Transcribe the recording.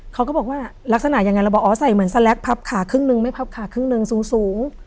เขาก็บอกว่าลักษณะยังไงเราบอกอ๋อใส่เหมือนสแลกพับขาครึ่งหนึ่งไม่พับขาครึ่งหนึ่งสูง